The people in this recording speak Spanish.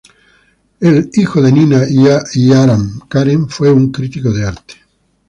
El hijo de Nina y Aram, Karen, fue un crítico de arte.